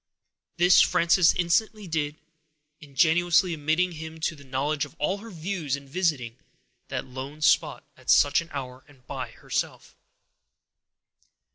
This Frances instantly did, ingenuously admitting him to a knowledge of all her views in visiting that lone spot at such an hour, and by herself.